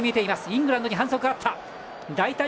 イングランドに反則があった。